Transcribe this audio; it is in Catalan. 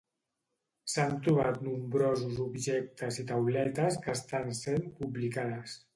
S'han trobat nombrosos objectes i tauletes que estan sent publicades.